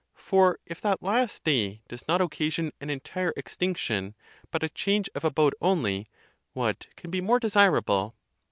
For if that last day does not occasion an entire extinction, but a change of abode only, what can be more desirable?